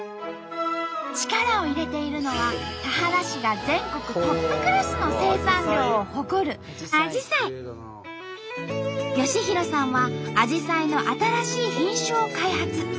力を入れているのは田原市が全国トップクラスの生産量を誇る良浩さんはアジサイの新しい品種を開発。